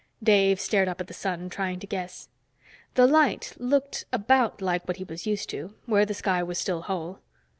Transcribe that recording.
Dave stared up at the sun, trying to guess. The light looked about like what he was used to, where the sky was still whole.